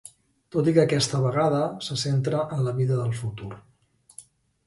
Tot i que aquesta vegada, se centra en la vida del futur.